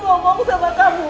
bahkan aku pernah mengetahui